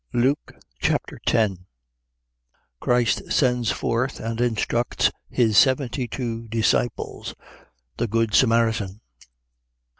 Luke Chapter 10 Christ sends forth and instructs his seventy two disciples. The good Samaritan.